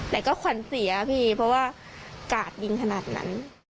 แต่ก็ขวัญเสียพี่เพราะว่ากาดยิงขนาดนั้น